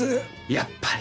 やっぱり。